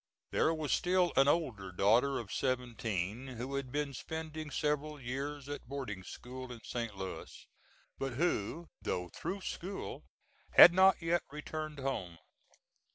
There was still an older daughter of seventeen, who had been spending several years at boarding school in St. Louis, but who, though through school, had not yet returned home.